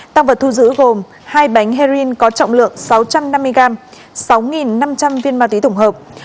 tăng vật thu giữ gồm hai bánh heroin có trọng lượng sáu trăm năm mươi gram sáu năm trăm linh viên ma túy tổng hợp